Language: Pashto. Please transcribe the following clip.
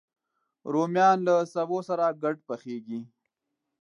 رومیان له سبو سره ګډ پخېږي